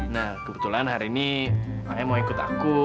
nah kebetulan hari ini ayah mau ikut aku